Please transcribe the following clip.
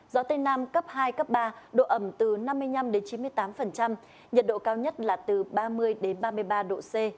gió tây nam cấp hai cấp ba độ ẩm từ năm mươi năm chín mươi tám nhiệt độ cao nhất là từ ba mươi ba mươi ba độ c